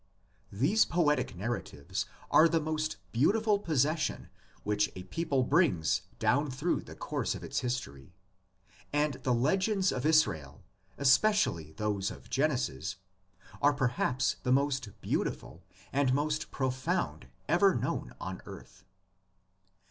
These poetic narratives are the most beauti ful possession which a people brings down through the course of its history, and the legends of Israel, especially those of Genesis, are perhaps the most beautiful and most profound ever known on earth.